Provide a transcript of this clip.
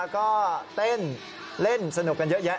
ก็เต้นเล่นสนุกกันเยอะแยะ